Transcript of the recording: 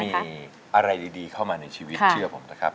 มีอะไรดีเข้ามาในชีวิตเชื่อผมนะครับ